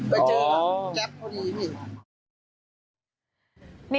ไปเจอกับแจ๊บพอดีพี่